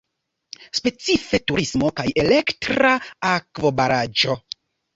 Specife turismo kaj elektra akvobaraĵo.